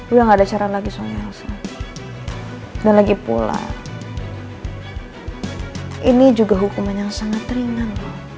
udah nggak ada cara lagi soalnya dan lagi pulang ini juga hukuman yang sangat ringan